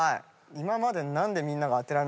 今まで。